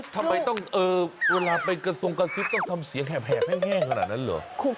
ทำไมต้องเวลาไปกระทรงกระซิบต้องทำเสียงแหบแห้งขนาดนั้นเหรอ